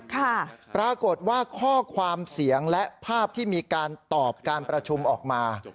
ปรากฏว่าข้อความเสียงและภาพที่มีการตอบการประชุมออกมา